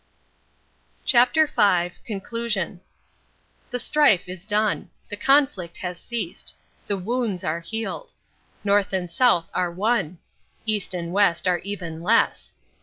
CHAPTER V CONCLUSION The strife is done. The conflict has ceased. The wounds are healed. North and South are one. East and West are even less.